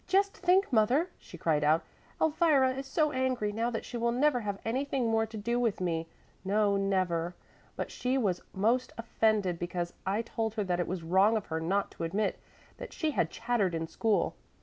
"Just think, mother," she cried out, "Elvira is so angry now that she will never have anything more to do with me, no never. But she was most offended because I told her that it was wrong of her; not to admit that she had chattered in school.